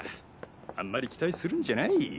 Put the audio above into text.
あんまり期待するんじゃない。